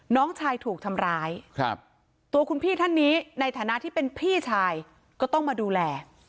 น้องชายถูกทำร้ายตัวคุณพี่ท่านนี้ในฐานะที่เป็นพี่ชายก็ต้องมาดูแล